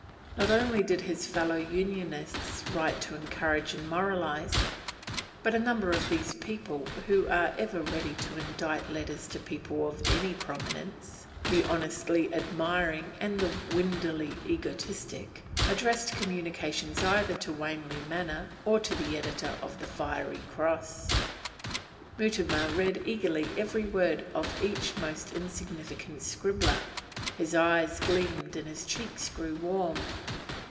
Not only did his fellow Unionists write to encourage and moralise, but a number of those people who are ever ready to indite letters to people of any prominence, the honestly admiring and the windily egoistic, addressed communications either to Wanley Manor or to the editor of the 'Fiery Cross.' Mutimer read eagerly every word of each most insignificant scribbler; his eyes gleamed and his cheeks grew warm.